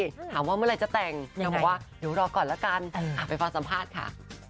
ถามว่าเมื่อไหร่จะแต่งนางบอกว่าเดี๋ยวรอก่อนละกันไปฟังสัมภาษณ์ค่ะ